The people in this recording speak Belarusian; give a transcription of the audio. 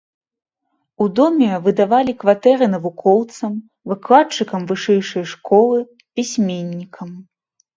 У доме выдавалі кватэры навукоўцам, выкладчыкам вышэйшай школы, пісьменнікам.